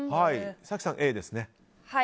早紀さん、Ａですね